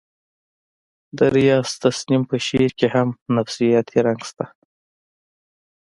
د ریاض تسنیم په شعر کې هم نفسیاتي رنګ شته